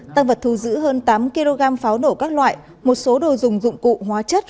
tăng vật thu giữ hơn tám kg pháo nổ các loại một số đồ dùng dụng cụ hóa chất